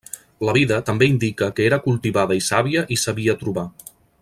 La vida també indica que era cultivada i sàvia i sabia trobar.